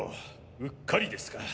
うっかりですか。